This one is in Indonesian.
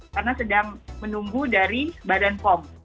karena sedang menunggu dari badan pom